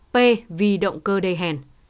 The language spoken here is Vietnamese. p vì động cơ đầy hèn